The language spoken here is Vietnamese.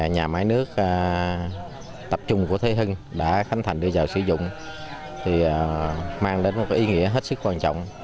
nhà máy nước tập trung của thế hưng đã khánh thành đưa vào sử dụng mang đến một ý nghĩa hết sức quan trọng